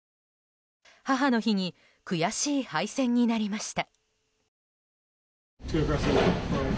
母の日に悔しい敗戦になりました。